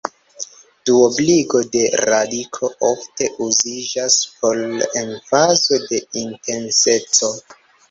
Duobligo de radiko ofte uziĝas por emfazo de intenseco.